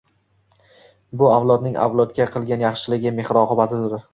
Bu avlodning avlodga qilgan yaxshiligi, mehr-oqibatidir